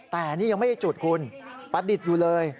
แต่นี่ยังไม่ได้จุดคุณประดิษฐ์อยู่เลย